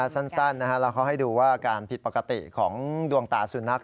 สั้นแล้วเขาให้ดูว่าการผิดปกติของดวงตาสุนัข